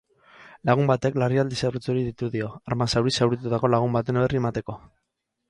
Lagun batek larrialdi-zerbitzuari deitu dio, arma zuriz zauritutako lagun baten berri emateko.